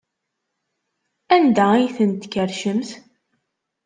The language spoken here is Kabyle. Anda ay ten-tkerrcemt?